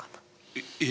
えっええ！？